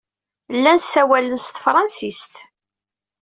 Llan ssawalen s tefṛensist.